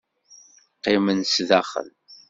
Qqimen sdaxel.